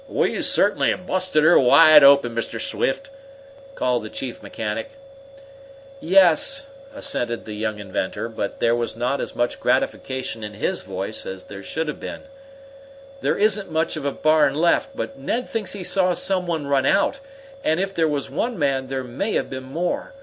"We certainly busted her wide open, Mr. Swift!" called the chief mechanician. "Yes," assented the young inventor; but there was not as much gratification in his voice as there should have been. "There isn't much of a barn left, but Ned thinks he saw some one run out, and if there was one man there may have been more.